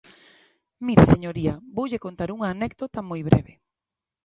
Mire, señoría, voulle contar unha anécdota moi breve.